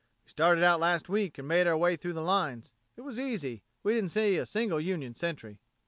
We started out last week and made our way through the lines. It was easy. We didn't see a single Union sentry."